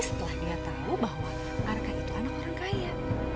setelah dia tahu bahwa arka itu anak orang kaya